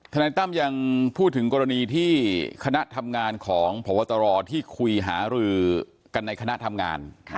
นายตั้มยังพูดถึงกรณีที่คณะทำงานของพบตรที่คุยหารือกันในคณะทำงาน